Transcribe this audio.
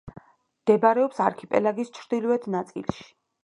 მდებარეობს არქიპელაგის ჩრდილოეთ ნაწილში.